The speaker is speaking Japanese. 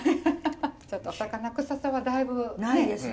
ちょっとお魚臭さはだいぶないと思います。